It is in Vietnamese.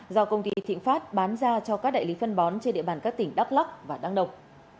do công ty thịnh pháp bán ra cho các đại lý phân bón trên địa bàn các tỉnh đắk lắc và đắk nông